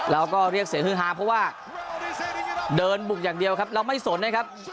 แล้วก็เรียกเสียงฮือฮาเพราะว่าเดินบุกอย่างเดียวครับเราไม่สนนะครับ